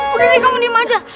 udah deh kamu diem aja